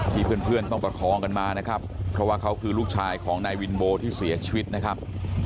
เพื่อนต้องประคองกันมานะครับเพราะว่าเขาคือลูกชายของนายวินโบที่เสียชีวิตนะครับ